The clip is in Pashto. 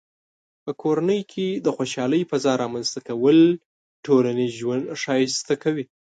په کورنۍ کې د خوشحالۍ فضاء رامنځته کول ټولنیز ژوند ښایسته کوي.